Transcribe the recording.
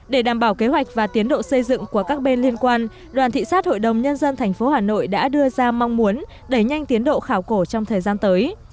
để đảm bảo kế hoạch và tiến độ xây dựng của các bên liên quan đoàn thị sát hội đồng nhân dân tp hà nội đã đưa ra mong muốn đẩy nhanh tiến độ khảo cổ trong thời gian tới